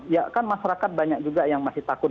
ya kan masyarakat banyak juga yang masih takut